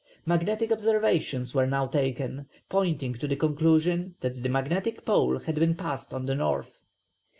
Magnetic observations were now taken, pointing to the conclusion that the magnetic pole had been passed on the north.